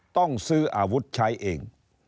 ต้องซื้ออาวุธใช้เอง